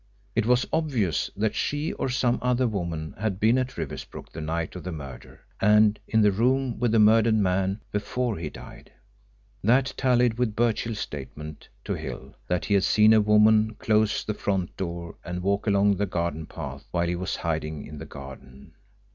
It was obvious that she or some other woman had been at Riversbrook the night of the murder, and in the room with the murdered man before he died. That tallied with Birchill's statement to Hill that he had seen a woman close the front door and walk along the garden path while he was hiding in the garden.